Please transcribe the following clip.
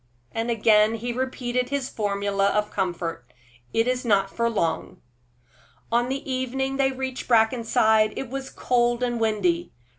And again he repeated his formula of comfort, "It is not for long." On the evening they reached Brackenside it was cold and windy.